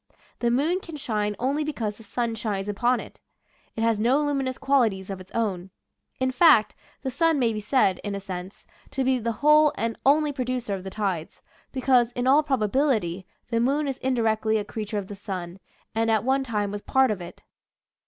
The moon can shine only because the sun shines upon it. It has no luminous qualities of its own. In fact, the sun may be said — in a sense — to be the whole and only producer of the tides, because, in all probability, the moon is indirectly a creature of the sun, and at one time was part of it.